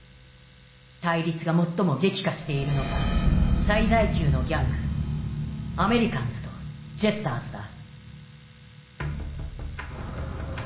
対立が最も激化しているのが最大級のギャングアメリカンズとジェスターズだ。